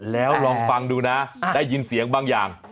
แล้วลองฟังดูนะได้ยินเสียงบางอย่าง